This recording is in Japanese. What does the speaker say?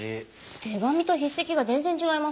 手紙と筆跡が全然違いますね。